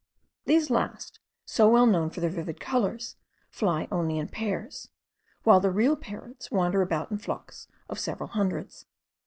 These last, so well known for their vivid colours, fly only in pairs, while the real parrots wander about in flocks of several hundreds.